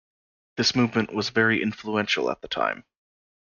This movement was very influential at that time.